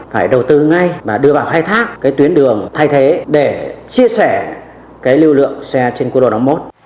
phải đầu tư ngay và đưa vào khai thác cái tuyến đường thay thế để chia sẻ cái lưu lượng xe trên quốc lộ năm mươi một